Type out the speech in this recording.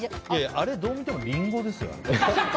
あれはどう見てもリンゴですよ。